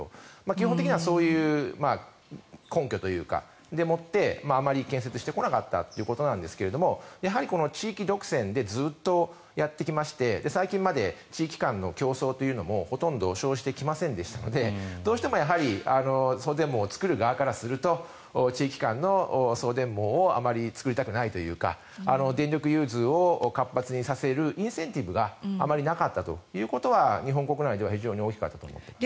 基本的にはそういう根拠というかそれでもってあまり建設してこなかったということなんですがやはり地域独占でずっとやってきまして最近まで地域間の競争というのもほとんど生じてきませんでしたのでどうしてもやはり送電網を作る側からすると地域間の送電網をあまり作りたくないというか電力融通を活発にさせるインセンティブがあまりなかったということは日本国内では非常に大きかったと思います。